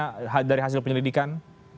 fakta faktanya dari hasil penyelidikan